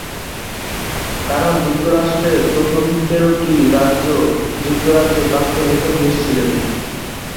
কারণ যুক্তরাষ্ট্রের প্রথম তেরটি রাজ্য যুক্তরাজ্যের প্রাক্তন উপনিবেশ ছিল।